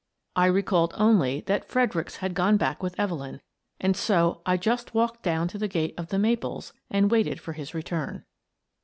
I recalled only that Fredericks had gone back with Evelyn, and so I just walked down to the gate of " The Maples " and waited for his return.